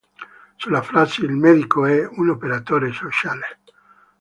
Sua la frase: "il medico è un operatore sociale".